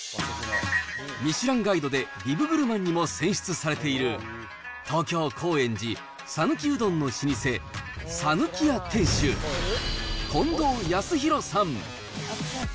ミシュランガイドでビブグルマンにも選出されている東京・高円寺、讃岐うどんの老舗、さぬきや店主、近藤康浩さん。